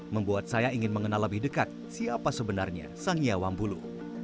membuat saya ingin mengenal lebih dekat siapa sebenarnya sangya wambulu